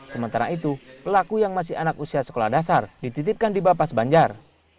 sementara itu pelaku yang masih anak usia sekolah dasar dititipkan di bapas banjar